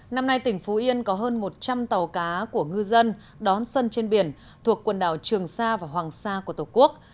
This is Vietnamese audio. năm nay tỉnh phú yên có hơn một trăm linh tàu cá của ngư dân đón xuân trên biển thuộc quần đảo trường sa và hoàng sa của tổ quốc